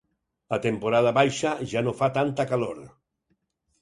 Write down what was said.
A temporada baixa ja no fa tanta calor.